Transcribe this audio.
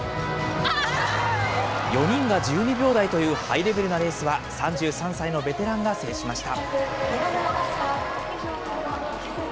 ４人が１２秒台というハイレベルなレースは、３３歳のベテランが制しました。